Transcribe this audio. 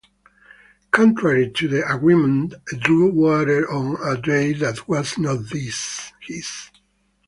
Contrary to the agreement A drew water on a day that was not his.